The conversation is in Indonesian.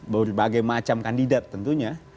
berbagai macam kandidat tentunya